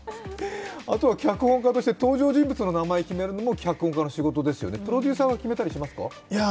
脚本家として登場人物の名前を決めるのも脚本家の仕事ですよね、プロデュースも決めたりしますか？